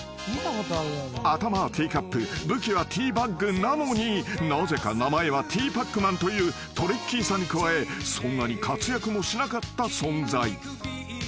［頭はティーカップ武器はティーバッグなのになぜか名前はティーパックマンというトリッキーさに加えそんなに活躍もしなかった存在］